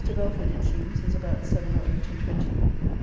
Belford, it seems, is about seven or eight and twenty.